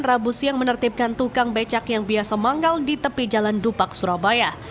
rabu siang menertibkan tukang becak yang biasa manggal di tepi jalan dupak surabaya